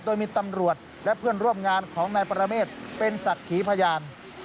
โดยมีตำรวจและเพื่อนร่วมงานของนายปรเมฆเป็นศักดิ์ขีพยาน